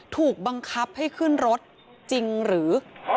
ถูกบังคับให้ขึ้นรถจริงหรือ